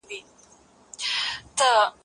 زه به د کتابتوننۍ سره مرسته کړې وي.